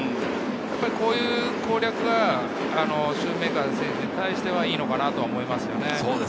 こういう攻略がシューメーカー選手に対しては、いいのかなと思います。